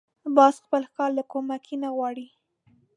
باز خپل ښکار له کومکي نه غواړي